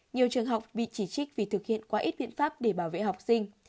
nhiều trường học bị chỉ trích vì thực hiện quá ít biện pháp để bảo vệ học sinh